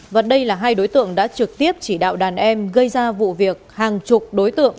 và đây là hai đối tượng đã trực tiếp chỉ đạo đàn em gây ra vụ việc hàng chục đối tượng